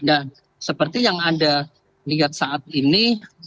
dan seperti yang anda lihat saat ini